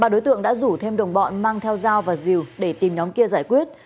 ba đối tượng đã rủ thêm đồng bọn mang theo dao và diều để tìm nhóm kia giải quyết